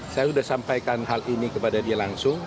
saya sudah sampaikan hal ini kepada dia langsung